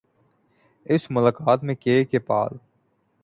اس ملاقات میں K K پال